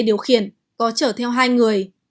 điều khiển có chở theo hai người